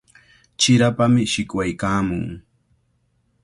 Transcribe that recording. Chirapami shikwaykaamun.